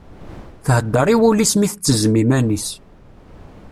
Thedder i wul-is mi tettezzem iman-is.